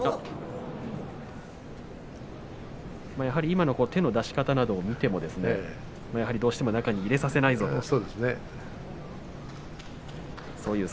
今の手の出し方を見てもどうしても中に入れさせないぞという。